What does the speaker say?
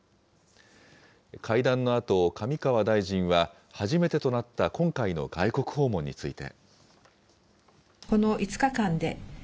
会談のあと、上川大臣は、初めてとなった今回の外国訪問について。